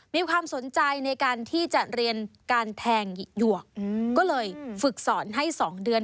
มีความสนใจในการที่จะเรียนการแทงหยวกก็เลยฝึกสอนให้๒เดือน